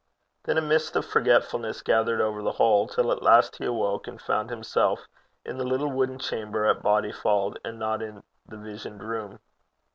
Then a mist of forgetfulness gathered over the whole, till at last he awoke and found himself in the little wooden chamber at Bodyfauld, and not in the visioned room.